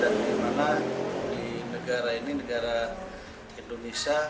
dan di mana di negara ini negara indonesia